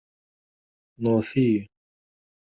Nɣet-iyi.